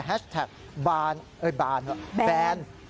แฮชแท็กบานเอ้ยบานแบรนด์